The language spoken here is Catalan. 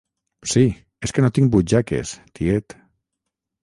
Sí, és que no tinc butxaques, tiet.